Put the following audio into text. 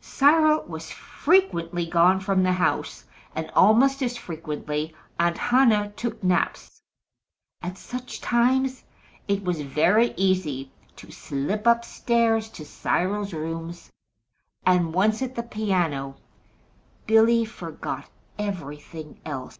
Cyril was frequently gone from the house, and almost as frequently Aunt Hannah took naps. At such times it was very easy to slip up stairs to Cyril's rooms, and once at the piano, Billy forgot everything else.